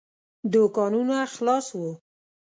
دوکانونه خلاص وو.